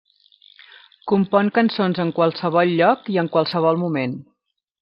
Compon cançons en qualsevol lloc i en qualsevol moment.